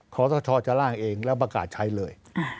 เคราะห์ทศชจะล่างเองแล้วประกาศใช้เลย